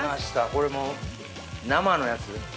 これもう生のやつ。